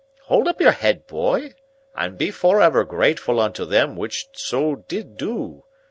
Hold up your head, boy, and be forever grateful unto them which so did do.